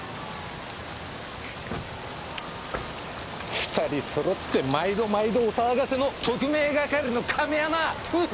２人そろって毎度毎度お騒がせの特命係の亀山夫婦！